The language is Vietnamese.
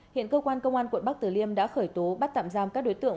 hiện cơ quan công an quận bắc tử liêm đã khởi tố bắt tạm giam các đối tượng